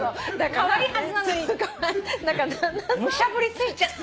カワイイはずなのにむしゃぶりついちゃって。